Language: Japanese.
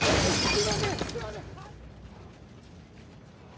すいません！